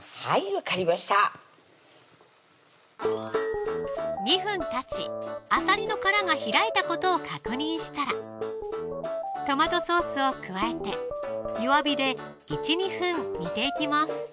はい分かりました２分たちあさりの殻が開いたことを確認したらトマトソースを加えて弱火で１２分煮ていきます